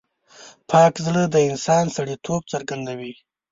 پاک زړه د انسان سترتوب څرګندوي.